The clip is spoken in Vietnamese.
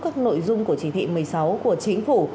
các nội dung của chỉ thị một mươi sáu của chính phủ